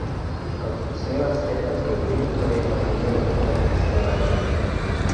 Konfuceo asertas ke virto estas rimedo inter ekstremaĵoj.